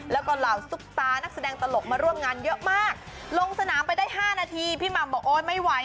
แล้วก็เหล่าซุปตานักแสดงตลกมาร่วมงานเยอะมากลงสนามไปได้๕นาทีพี่หม่ำบอกโอ๊ยไม่ไหว